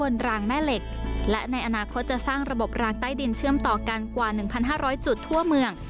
เตรียมต่อกันกว่า๑๕๐๐จุดทั่วเมือง